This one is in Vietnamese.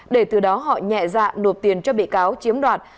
để từ đó họ nhẹ dạ nộp tiền cho bị cáo chiếm đoạt